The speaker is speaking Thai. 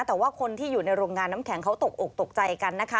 แต่ว่าคนที่อยู่ในโรงงานน้ำแข็งเขาตกอกตกใจกันนะคะ